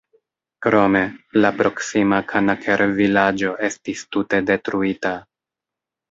Krome, la proksima Kanaker-vilaĝo estis tute detruita.